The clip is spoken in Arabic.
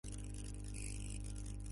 طوراً تُرى كفِلكةِ الدولاب